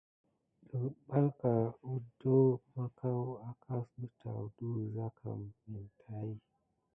Depakè kedoho maku aka keɓosukni de wuza kam kin tät.